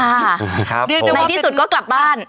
ในที่สุดก็กลับบ้าน